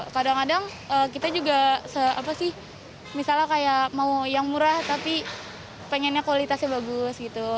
kadang kadang kita juga misalnya kayak mau yang murah tapi pengennya kualitasnya bagus gitu